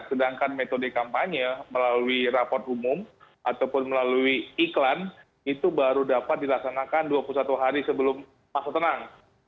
sedangkan metode kampanye melalui rapot umum ataupun melalui iklan itu baru dapat dilaksanakan dua puluh satu hari sebelum masa tenang